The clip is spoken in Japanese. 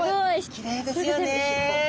きれいですよね。